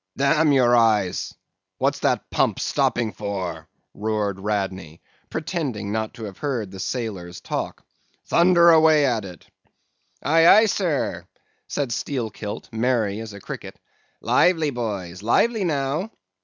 "'Damn your eyes! what's that pump stopping for?' roared Radney, pretending not to have heard the sailors' talk. 'Thunder away at it!' "'Aye, aye, sir,' said Steelkilt, merry as a cricket. 'Lively, boys, lively, now!